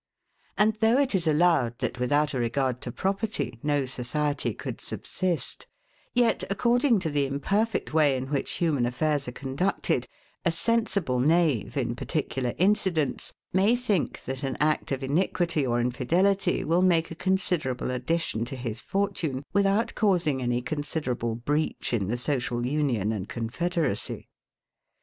And though it is allowed that, without a regard to property, no society could subsist; yet according to the imperfect way in which human affairs are conducted, a sensible knave, in particular incidents, may think that an act of iniquity or infidelity will make a considerable addition to his fortune, without causing any considerable breach in the social union and confederacy.